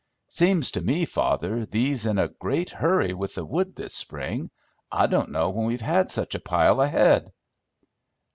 "Seems to me, father, thee's in a great hurry with the wood this spring. I don't know when we've had such a pile ahead."